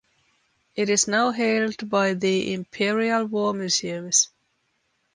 It is now held by the Imperial War Museums.